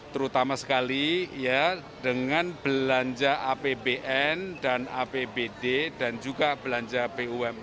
terutama sekali ya dengan belanja apbn dan apbd dan juga belanja bumn